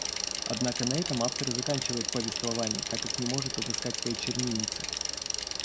Однако на этом автор заканчивает повествование, так как не может отыскать своей чернильницы.